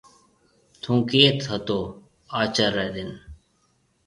ٿُون ڪيٿ هتو آچر ري ڏن۔